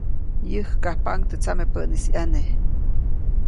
Yäjkajpaʼuŋ teʼ tsamepäʼnis ʼyane.